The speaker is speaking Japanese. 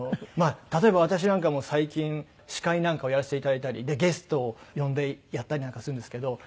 例えば私なんかも最近司会なんかをやらせて頂いたりでゲストを呼んでやったりなんかするんですけど。